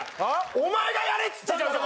お前がやれっつったじゃん！